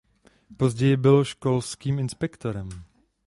Později byl školským inspektorem.